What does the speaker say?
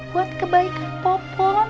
buat kebaikan popon